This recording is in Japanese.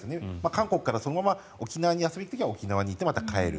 韓国からそのまま沖縄に遊びに行く時は沖縄に行って、また帰る。